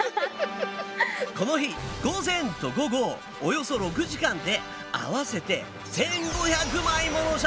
この日午前と午後およそ６時間で合わせて１，５００枚もの写真を撮った３人。